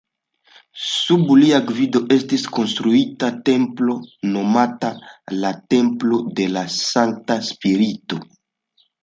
Sub lia gvido estis konstruita templo nomata la "Templo de la Sankta Spirito".